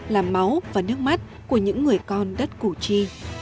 là máu và nước mắt của những người con đất cù chi